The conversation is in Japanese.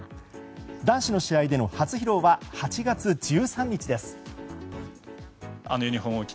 男子の試合での初披露は８月１３日です。